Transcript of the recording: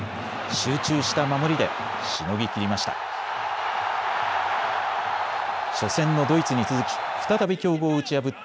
集中した守りでしのぎ切りました。